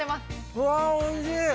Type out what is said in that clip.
うわー、おいしい。